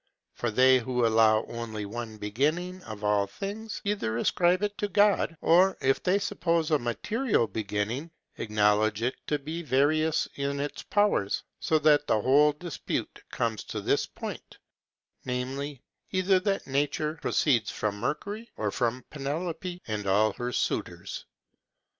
For they who allow only one beginning of all things, either ascribe it to God, or, if they suppose a material beginning, acknowledge it to be various in its powers; so that the whole dispute comes to these points, viz: either that nature proceeds from Mercury, or from Penelope and all her suitors.